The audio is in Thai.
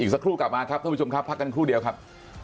สักครู่กลับมาครับท่านผู้ชมครับพักกันครู่เดียวครับ